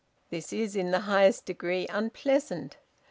This is, in the highest degree, unpleasant.